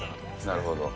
なるほど。